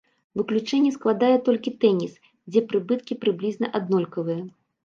Выключэнне складае толькі тэніс, дзе прыбыткі прыблізна аднолькавыя.